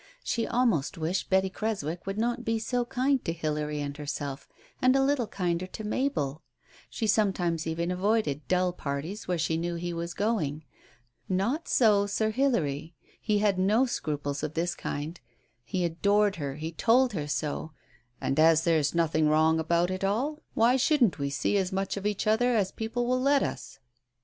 She almost wished Betty Creswick would not be so kind to Hilary and herself, and a little: kinder to Mabel. She sometimes even avoided dulll parties where she knew he was going. Not so Sir Hilary, he had no scruples of this kind. He adored her, he told her so — "and as there's nothing wrong about it all, why shouldn't we see as much of each other t as people will let us